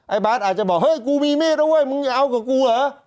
บาทอาจจะบอกเฮ้ยกูมีมีดแล้วเว้ยมึงอย่าเอากับกูเหรอ